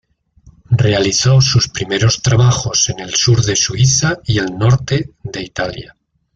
Realizó sus primeros trabajos en el sur de Suiza y el norte de Italia.